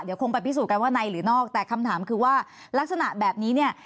เดี๋ยวคงไปพิสูจนกันว่าในหรือนอกแต่คำถามคือว่าลักษณะแบบนี้เนี่ย